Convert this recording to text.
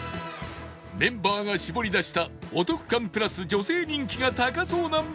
メンバーが絞り出したお得感プラス女性人気が高そうなメニューは